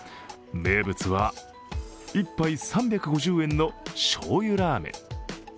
名物は１杯３５０円の醤油ラーメン。